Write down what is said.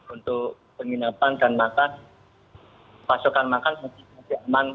untuk penginapan dan makan pasokan makan masih aman